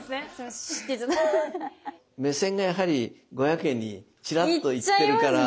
目線がやはり５００円にちらっと行ってるから。